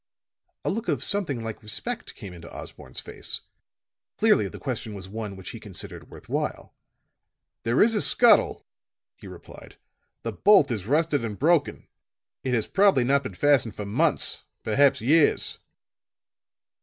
A look of something like respect came into Osborne's face. Clearly the question was one which he considered worth while. "There is a scuttle," he replied. "The bolt is rusted and broken; it has probably not been fastened for months, perhaps years."